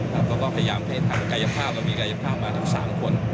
เราก็พยายามให้ทางกายภาพเรามีกายภาพมาทั้ง๓คน